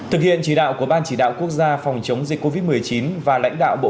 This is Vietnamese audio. thực hiện chỉ đạo của ban chỉ đạo quốc gia phòng chống dịch covid một mươi chín và lãnh đạo bộ